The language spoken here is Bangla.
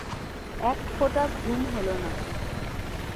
এক ফোঁটা ঘুম হল না।